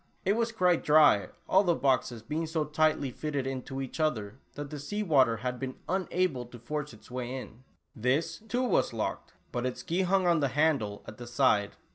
It was quite dry, all the boxes being so tightly fitted into each other, that the sea water had been unable to force its way in. This, too, was locked, but its key hung on the handle at the side.